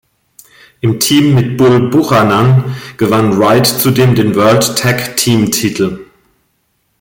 Im Team mit Bull Buchanan gewann Wright zudem den "World Tag Team"-Titel.